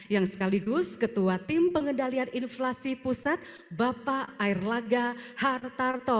yang sekaligus ketua tim pengendalian inflasi pusat bapak air laga hartarto